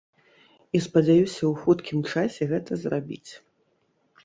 І спадзяюся ў хуткім часе гэта зрабіць.